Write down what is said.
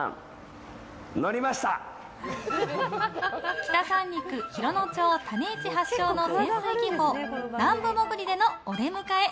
北三陸、洋野町発祥の潜水法、南部潜りでのお出迎え。